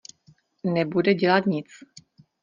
Nebude dělat nic.